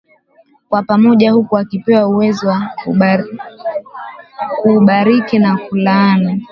Kwa pamoja huku wakipewa uwezo wa kubariki na kulaani